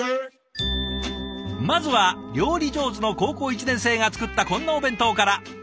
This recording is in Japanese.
まずは料理上手の高校１年生が作ったこんなお弁当から。